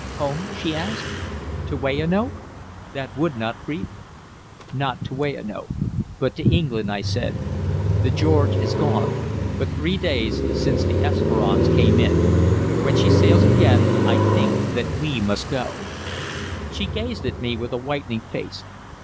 "Home?" she asked. "To Weyanoke? That would not grieve me." "Not to Weyanoke, but to England," I said. "The George is gone, but three days since the Esperance came in. When she sails again I think that we must go." She gazed at me with a whitening face.